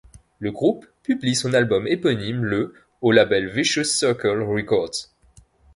Le groupe publie son album éponyme le au label Vicious Circle Records.